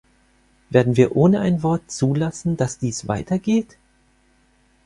Werden wir ohne ein Wort zulassen, dass dies weitergeht?